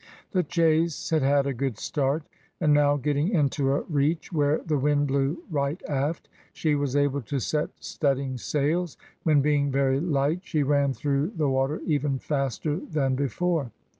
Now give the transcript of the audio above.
The chase had had a good start, and now getting into a reach where the wind blew right aft, she was able to set studding sails, when being very light, she ran through the water even faster than before.